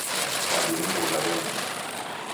Madu nigho ghawemja